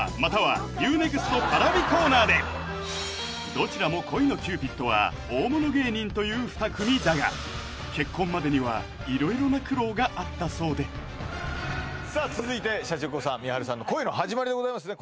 どちらも恋のキューピッドは大物芸人という２組だが結婚までには色々な苦労があったそうでさあ続いてシャチホコさんみはるさんの恋のはじまりでございますね